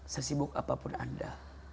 sesibuk apapun anda